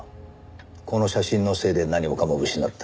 この写真のせいで何もかも失った。